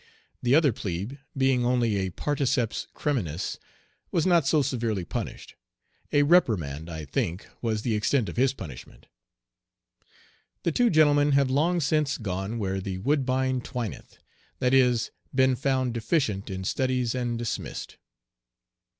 The other plebe, being only a particeps criminis, was not so severely punished. A reprimand, I think, was the extent of his punishment. The two gentlemen have long since gone where the "woodbine twineth" that is, been found deficient in studies and dismissed.